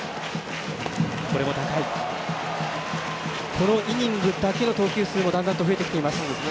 このイニングだけの投球数もだんだん増えてきています。